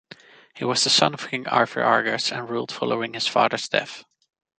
He was the son of King Arvirargus and ruled following his father's death.